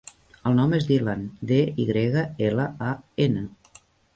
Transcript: El nom és Dylan: de, i grega, ela, a, ena.